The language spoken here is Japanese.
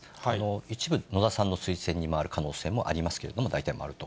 一部、野田さんの推薦に回る可能性もあると思いますけど、大体回ると。